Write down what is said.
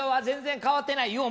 全然変わってない。